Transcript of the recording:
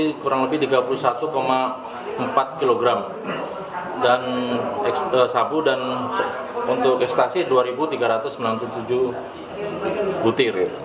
ini kurang lebih tiga puluh satu empat kg dan sabu dan untuk ekstasi dua tiga ratus sembilan puluh tujuh butir